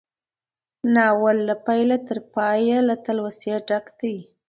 ناول له پيله تر پايه له تلوسې ډک دی.